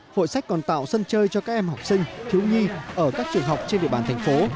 hội sách còn tạo sân chơi cho các em học sinh thiếu nhi ở các trường học trên địa bàn thành phố